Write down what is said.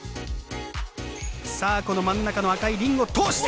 さあこの真ん中の赤いリングを通した！